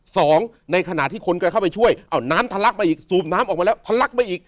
สองในขณะที่คนก็เข้าไปช่วยเอาน้ำทะลักมาอีกสูบน้ำออกมาแล้วทะลักมาอีก